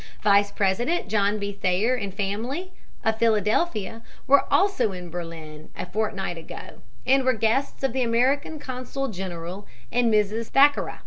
Vice president John B. Thayer and family, of Philadelphia, were also in Berlin a fortnight ago and were guests of the American Consul General and Mrs. Thackara.